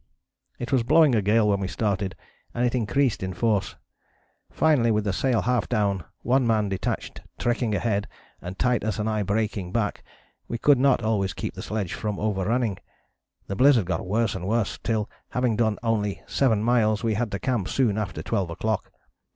"It was blowing a gale when we started and it increased in force. Finally with the sail half down, one man detached tracking ahead and Titus and I breaking back, we could not always keep the sledge from overrunning. The blizzard got worse and worse till, having done only seven miles, we had to camp soon after twelve o'clock.